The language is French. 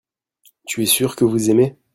tu es sûr que vous aimez.